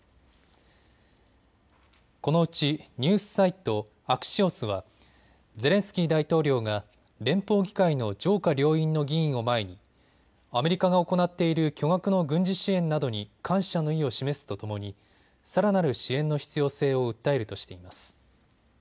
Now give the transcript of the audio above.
このうちニュースサイト、アクシオスはゼレンスキー大統領が連邦議会の上下両院の議員を前にアメリカが行っている巨額の軍事支援などに感謝の意を示すとともにさらなる支援の必要性を訴えるとしています。